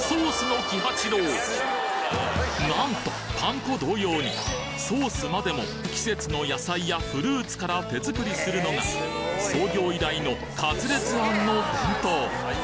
なんとパン粉同様にソースまでも季節の野菜やフルーツから手作りするのが創業以来の勝烈庵の伝統！